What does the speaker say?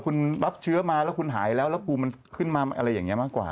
คุณรับเชื้อมาแล้วคุณหายแล้วแล้วภูมิมันขึ้นมาอะไรอย่างนี้มากกว่า